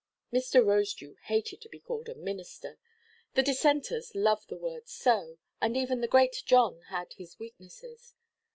Mr. Rosedew hated to be called a "minister,"—the Dissenters love the word so, and even the great John had his weaknesses.